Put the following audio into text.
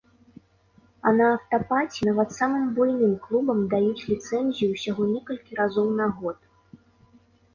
А на афтапаці нават самым буйным клубам даюць ліцэнзію ўсяго некалькі разоў на год.